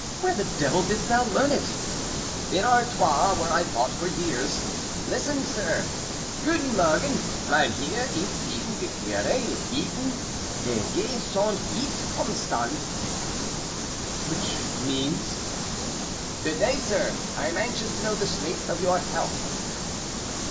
"Where the devil didst thou learn it?" "In Artois, where I fought for years. Listen, sir. Goeden morgen, mynheer, eth teen begeeray le weeten the ge sond heets omstand." "Which means?" "Good day, sir! I am anxious to know the state of your health."